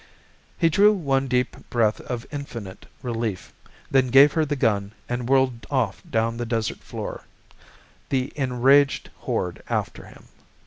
He drew one deep breath of infinite relief, then gave her the gun and whirled off down the desert floor, the enraged horde after him.